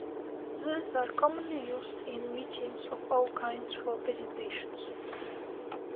These are commonly used in meetings of all kinds for presentations.